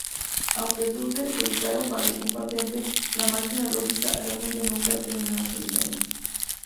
Aunque Zuse solicitara una patente: la máquina lógica, realmente nunca terminó su diseño.